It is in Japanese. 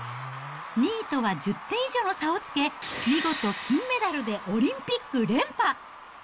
２位とは１０点以上の差をつけ、見事、金メダルでオリンピック連覇。